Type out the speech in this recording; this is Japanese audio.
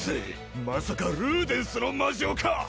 まさかルーデンスの魔杖か！？